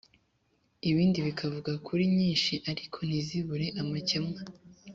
ibindi bikavuga kuri nyinshi ariko ntizibure amakemwa